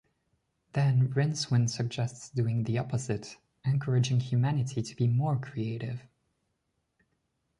Then Rincewind suggests doing the opposite, encouraging humanity to be "more" creative.